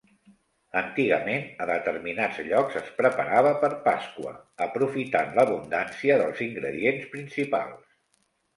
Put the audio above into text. Antigament a determinats llocs es preparava per Pasqua, aprofitant l'abundància dels ingredients principals.